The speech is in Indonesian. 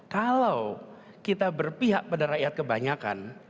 kalau kita berpihak pada rakyat kebanyakan